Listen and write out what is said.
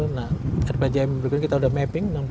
nah terpajam berikutnya kita sudah mapping